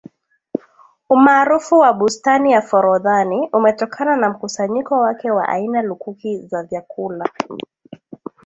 Umaarufu wa bustani ya Forodhani umetokana na mkusanyiko wake wa aina lukuki za vyakula